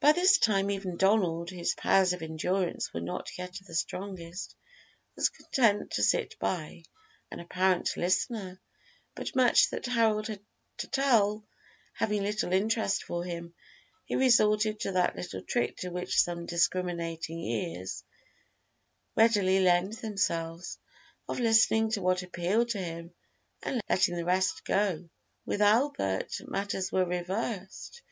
By this time even Donald, whose powers of endurance were not yet of the strongest, was content to sit by, an apparent listener; but much that Harold had to tell having little interest for him, he resorted to that little trick to which some discriminating ears readily lend themselves, of listening to what appealed to him and letting the rest go. With Albert matters were reversed.